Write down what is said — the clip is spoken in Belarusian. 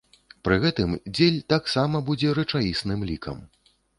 Пры гэтым дзель таксама будзе рэчаісным лікам.